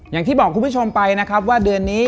อย่างที่บอกคุณผู้ชมไปนะครับว่าเดือนนี้